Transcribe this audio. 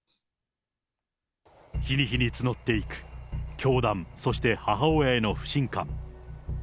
日に日に募っていく教団、そして母親への不信感。